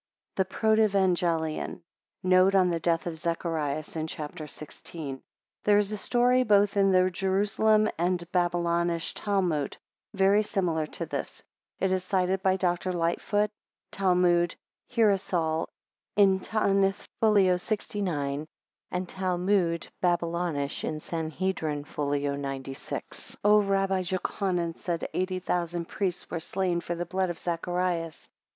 THE PROTEVANGELION. Note on the death of Zacharias in Chap. 16. There is a story both in the Jerusalem and Babylonish Talmud very similar to this. It is cited by Dr. Lightfoot, Talmud, Hierosol, in Taanith, fol. 69; and Talmud. Babyl. in Sanhedr., fol. 96. "O Rabbi Jochanan said, Eighty thousand priests were slain for the blood of Zacharias.